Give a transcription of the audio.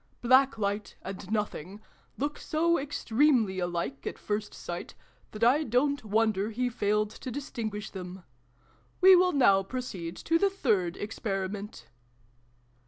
" Black Light, and Nothing, look so extremely alike, at first sight, that I don't wonder he failed to distinguish them ! We will now proceed to the Third Experiment."